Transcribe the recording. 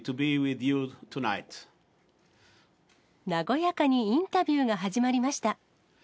和やかにインタビューが始まりました。